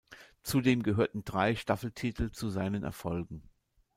Zudem gehörten drei Staffeltitel zu seinen Erfolgen.